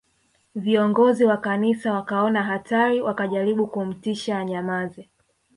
Viongozi wa Kanisa wakaona hatari wakajaribu kumtisha anyamaze